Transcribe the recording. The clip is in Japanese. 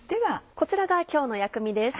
こちらが今日の薬味です。